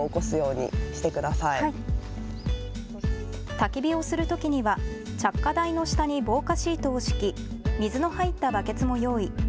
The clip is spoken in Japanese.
たき火をするときには着火台の下に防火シートを敷き水の入ったバケツも用意。